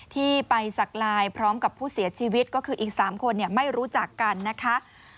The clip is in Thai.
ที่ไปสักลายพร้อมกับผู้เสียชีวิตก็คืออีก๓คนไม่รู้จักกันนะคะ